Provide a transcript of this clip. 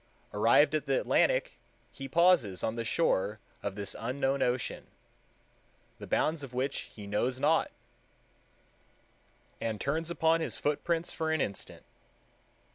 Arrived at the Atlantic, he pauses on the shore of this unknown ocean, the bounds of which he knows not, and turns upon his footprints for an instant."